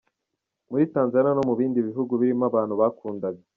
Muri Tanzaniya no mu bindi bihugu birimo abantu bakundaga.